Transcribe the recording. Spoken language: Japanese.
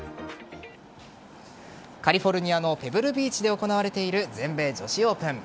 カリフォルニアのペブルビーチで行われている全米女子オープン。